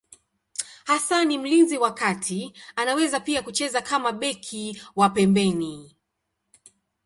Hasa ni mlinzi wa kati, anaweza pia kucheza kama beki wa pembeni.